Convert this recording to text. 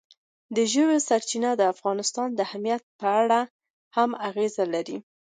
ژورې سرچینې د افغانستان د امنیت په اړه هم اغېز لري.